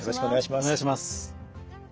お願いします。